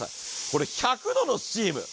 これ１００度のスチーム。